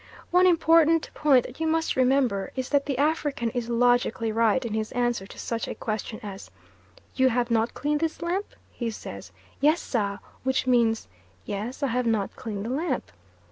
One important point that you must remember is that the African is logically right in his answer to such a question as "You have not cleaned this lamp?" he says, "Yes, sah" which means, "yes, I have not cleaned the lamp."